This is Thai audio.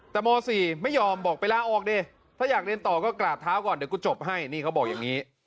แต่ม๔ไม่ยอมบอกไปลาออกดิถ้าอยากเรียนต่อก็กราบเท้าก่อนเดี๋ยวกูจบให้นี่เขาบอกอย่างนี้